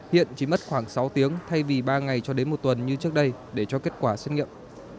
hiện chỉ mất khoảng sáu tiếng thay vì ba ngày cho đến một tuần như trước đây để cho kết quả xét nghiệm